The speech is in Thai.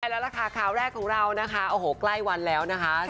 สามารถทุกคนดูแลลาคราวแรกของเรากลัยวันแล้ว